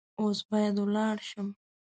اوس باید ولاړ شم .